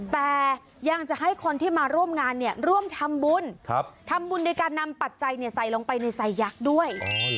แต่ยังจะให้คนที่มาร่วมงานเนี่ยร่วมทำบุญทำบุญโดยการนำปัจจัยใส่ลงไปในไซยักษ์ด้วย